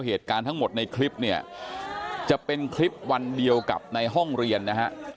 เหตุการณ์ทั้งหมดในคลิปเนี่ยจะเป็นคลิปวันเดียวกับในห้องเรียนนะฮะ